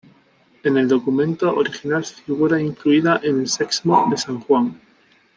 En el documento original figura incluida en el Sexmo de San Juan.